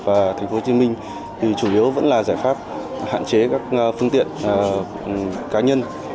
và thành phố hồ chí minh thì chủ yếu vẫn là giải pháp hạn chế các phương tiện cá nhân